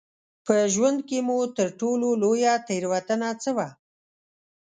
په ژوند کې مو تر ټولو لویه تېروتنه څه وه؟